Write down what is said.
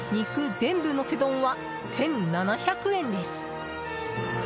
全部のせ丼は１７００円です。